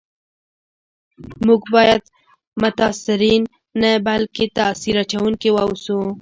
موږ باید متاثرین نه بلکي تاثیر اچونکي و اوسو